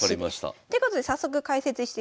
ということで早速解説していきます。